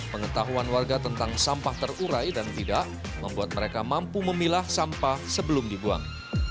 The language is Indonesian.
pengetahuan warga tentang sampah terurai dan tidak membuat mereka mampu memilah sampah sebelum dibuang